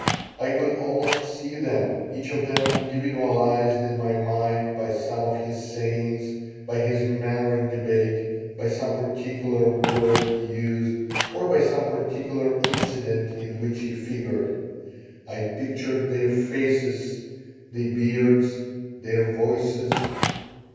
I could almost see them, each of them individualized in my mind by some of his sayings, by his manner in debate, by some particular word he used, or by some particular incident in which he figured. I pictured their faces, their beards, their voices.